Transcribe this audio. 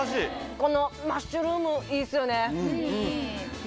このマッシュルームいいですよね。